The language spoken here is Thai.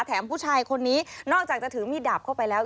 ผู้ชายคนนี้นอกจากจะถือมีดดาบเข้าไปแล้ว